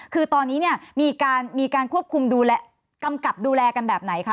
คือตอนนี้เนี่ยมีการควบคุมดูแลกำกับดูแลกันแบบไหนคะ